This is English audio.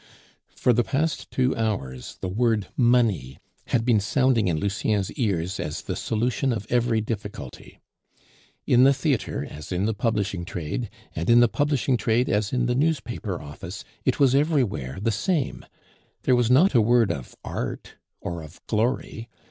For the past two hours the word money had been sounding in Lucien's ears as the solution of every difficulty. In the theatre as in the publishing trade, and in the publishing trade as in the newspaper office it was everywhere the same; there was not a word of art or of glory.